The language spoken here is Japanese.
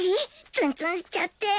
ツンツンしちゃって